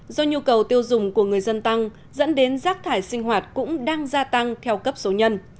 do nhu cầu tiêu dùng của người dân tăng dẫn đến rác thải sinh hoạt cũng đang gia tăng theo cấp số nhân